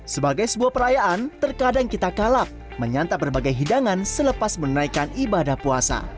sebagai sebuah perayaan terkadang kita kalap menyantap berbagai hidangan selepas menaikkan ibadah puasa